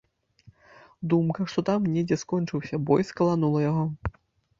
Думка, што там недзе скончыўся бой, скаланула яго.